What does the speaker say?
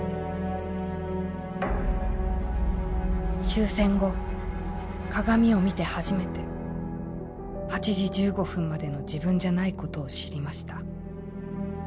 「終戦後鏡を見て初めて８時１５分までの自分じゃないことを知りました。